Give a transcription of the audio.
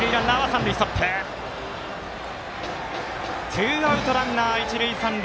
ツーアウト、ランナー、一塁三塁。